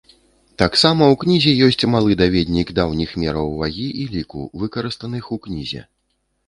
Таксама ў кнізе ёсць малы даведнік даўніх мераў вагі і ліку, выкарыстаных у кнізе.